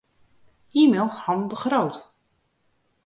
E-mail Han de Groot.